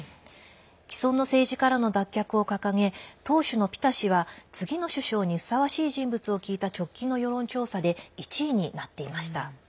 既存の政治からの脱却を掲げ党首のピタ氏は次の首相にふさわしい人物を聞いた直近の世論調査で１位になっていました。